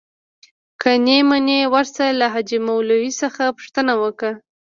که نې منې ورسه له حاجي مولوي څخه پوښتنه وکه.